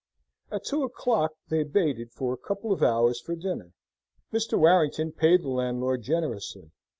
At two o'clock they baited for a couple of hours for dinner. Mr. Warrington paid the landlord generously.